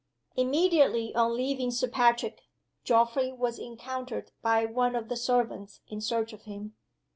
Immediately on leaving Sir Patrick, Geoffrey was encountered by one of the servants in search of him.